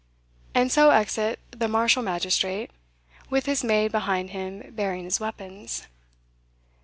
And so exit the martial magistrate, with his maid behind him bearing his weapons.